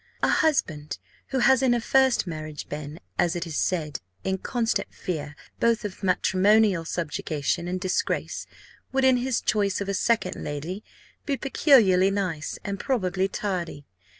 A husband who has in a first marriage been, as it is said, in constant fear both of matrimonial subjugation and disgrace, would, in his choice of a second lady, be peculiarly nice, and probably tardy.